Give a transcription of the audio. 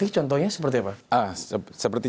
contohnya seperti apa